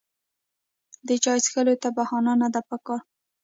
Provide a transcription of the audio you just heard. د چای څښلو ته بهانه نه ده پکار.